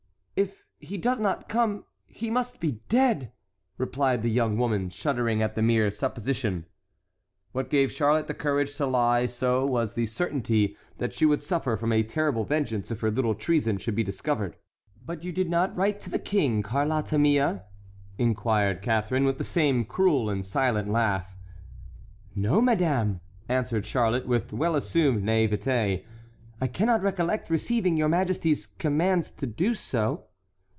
"If he does not come, he must be dead!" replied the young woman, shuddering at the mere supposition. What gave Charlotte the courage to lie so was the certainty that she would suffer from a terrible vengeance if her little treason should be discovered. "But did you not write to the king, Carlotta mia?" inquired Catharine, with the same cruel and silent laugh. "No, madame," answered Charlotte, with well assumed naïveté, "I cannot recollect receiving your majesty's commands to do so."